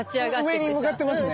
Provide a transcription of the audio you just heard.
上に向かってますね。